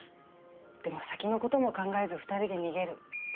でも先の事も考えず二人で逃げる。